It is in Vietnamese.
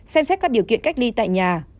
xem xét các điều kiện cách ly tại nhà